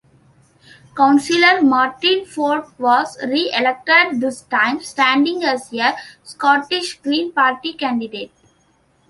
Councillor Martin Ford was re-elected, this time standing as a Scottish Green Party candidate.